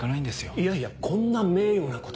いやいやこんな名誉なこと。